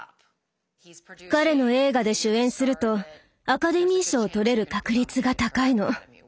彼の映画で主演するとアカデミー賞を取れる確率が高いの。